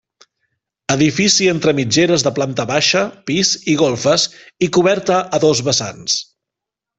Edifici entre mitgeres de planta baixa, pis i golfes i coberta a dos vessants.